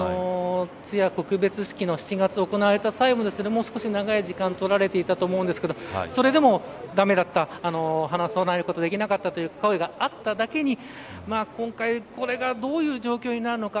通夜、告別式の７月行われた際ももう少し長い時間取られていたと思うんですけどそれでも駄目だった花を供えることができなかったという声があっただけに今回これがどういう状況になるのか。